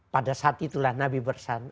pada saat itulah nabi bersan